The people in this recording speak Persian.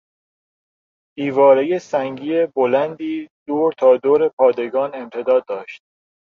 دیوارهی سنگی بلندی دور تا دور پادگان امتداد داشت.